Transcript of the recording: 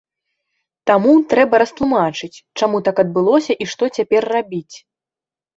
Таму трэба растлумачыць, чаму так адбылося і што цяпер рабіць.